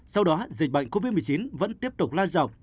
sau đó dịch bệnh covid một mươi chín vẫn tiếp tục la dọc